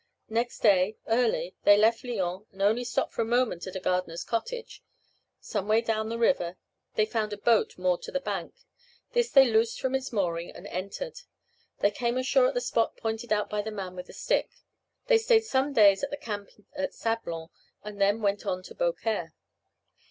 Next day, early, they left Lyons, and only stopped for a moment at a gardener's cottage. Some way down the river, they found a boat moored to the bank. This they loosed from its mooring and entered. They came ashore at the spot pointed out by the man with the stick. They staid some days in the camp at Sablon, and then went on to Beaucaire.